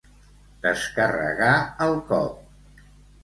Descarregar el cop.